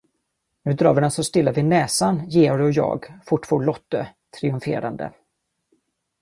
Nu drar vi dem så stilla vid näsan, Georg och jag, fortfor Lotte, triumferande.